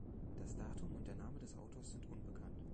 Das Datum und der Name des Autors sind unbekannt.